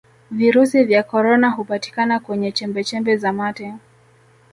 virusi vya korona hupatikana kwenye chembechembe za mate